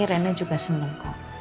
rena juga seneng